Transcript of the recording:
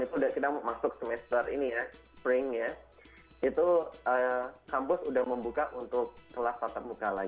itu udah kita masuk semester ini ya spring ya itu kampus udah membuka untuk kelas tatap muka lagi